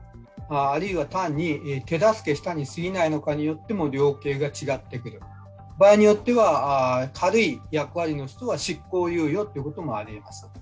あるいは単に手助けしたにすぎないのかによっても量刑が違ってくる、場合によっては、軽い役割の人は執行猶予もありえます。